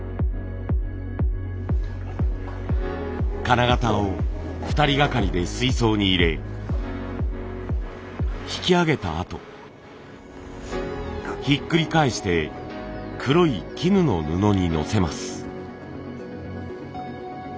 金型を２人がかりで水槽に入れ引き上げたあとひっくり返して黒い絹の布にのせます。